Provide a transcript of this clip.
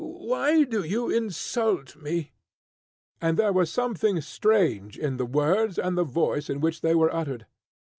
Why do you insult me?" And there was something strange in the words and the voice in which they were uttered.